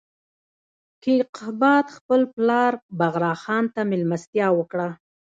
کیقباد خپل پلار بغرا خان ته مېلمستیا وکړه.